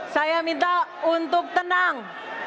saya minta untuk tenang